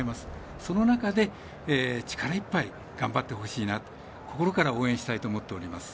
その中で力いっぱい頑張ってほしいなと心から応援したいなと思っております。